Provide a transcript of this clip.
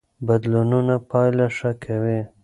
بدلونونه پایله ښه کوي.